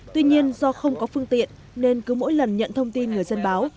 tuy nhiên do không có phương tiện nên cứ mỗi lần nhận thông tin người dân báo